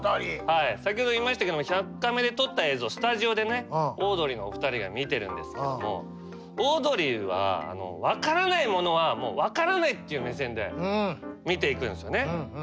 先ほど言いましたけども１００カメで撮った映像をスタジオでオードリーのお二人が見てるんですけどもオードリーは分からないものは分からないっていう目線で見ていくんですよね。